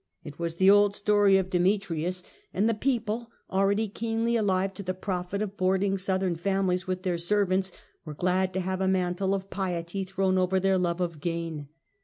It was the old story of Deme trius; and the people, already keenly alive to the profit of boarding Southern families with their servants, were glad to have a mantle of piety thrown over their love of gain.